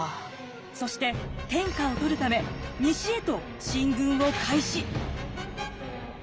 そして天下を取るため西へと進軍を開始。